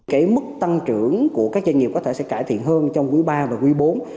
cái mức tăng trưởng của các doanh nghiệp có thể sẽ cải thiện hơn trong quý ba và quý bốn